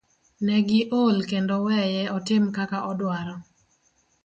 Ne giol kendo weye otim kaka odwaro.